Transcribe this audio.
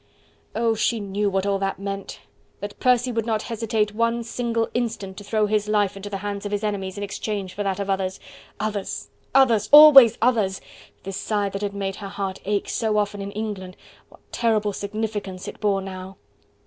Oh! she knew what all that meant! that Percy would not hesitate one single instant to throw his life into the hands of his enemies, in exchange for that of others. Others! others! always others! this sigh that had made her heart ache so often in England, what terrible significance it bore now!